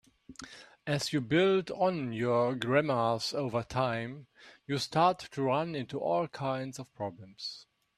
As you build on your grammars over time, you start to run into all kinds of problems.